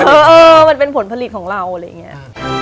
เออมันเป็นผลผลิตของเราอะไรอย่างนี้